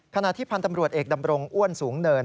ขณะที่พันธ์ตำรวจเอกดำรงอ้วนสูงเนิน